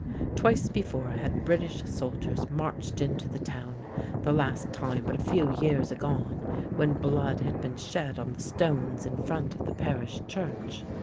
Twice before had British soldiers marched into the town, the last time but a few years agone, when blood had been shed on the stones in front of the parish church.